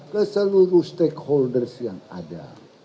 ke seluruh stakeholders yang ada